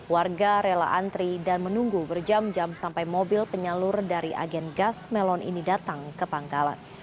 warga rela antri dan menunggu berjam jam sampai mobil penyalur dari agen gas melon ini datang ke pangkalan